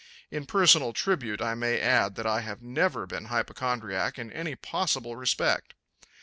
In personal tribute I may add that I have never been hypochondriac in any possible respect.